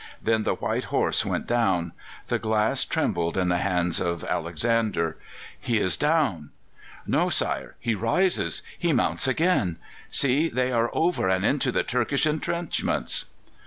Then the white horse went down. The glass trembled in the hands of Alexander. "He is down!" "No, sire; he rises he mounts again! See, they are over and into the Turkish entrenchments!"